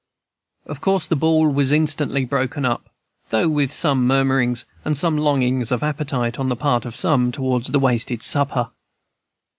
"Of course the ball was instantly broken up, though with some murmurings and some longings of appetite, on the part of some, toward the wasted supper.